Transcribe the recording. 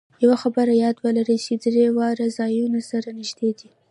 یوه خبره یاد ولرئ چې درې واړه ځایونه سره نږدې دي.